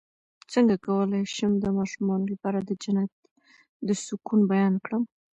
څنګه کولی شم د ماشومانو لپاره د جنت د سکون بیان کړم